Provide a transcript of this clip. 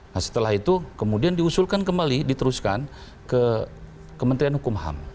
nah setelah itu kemudian diusulkan kembali diteruskan ke kementerian hukum ham